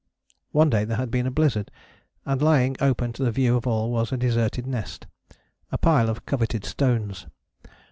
One day there had been a blizzard, and lying open to the view of all was a deserted nest, a pile of coveted stones.